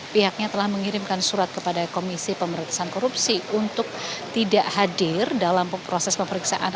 pihaknya telah mengirimkan surat kepada komisi pemerintahan korupsi untuk tidak hadir dalam proses pemeriksaan